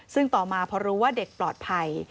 ซึ่งต่อมาพอรู้ว่าเด็กปลอดภัย